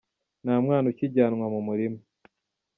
Nta mwana ukijyanwa mu murima